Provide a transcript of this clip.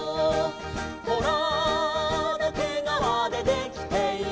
「トラのけがわでできている」